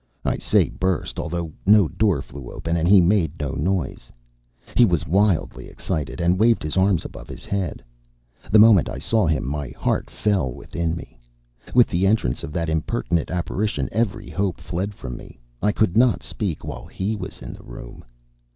I say burst, although no door flew open and he made no noise. He was wildly excited, and waved his arms above his head. The moment I saw him, my heart fell within me. With the entrance of that impertinent apparition, every hope fled from me. I could not speak while he was in the room.